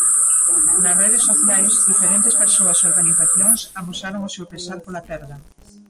Nas redes sociais, diferentes persoas e organizacións amosaron o seu pesar pola perda.